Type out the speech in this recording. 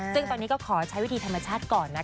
ซึ่งตอนนี้ก็ขอใช้วิธีธรรมชาติก่อนนะคะ